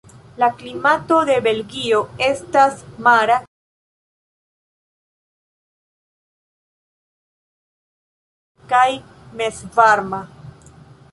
La klimato de Belgio estas mara kaj mezvarma.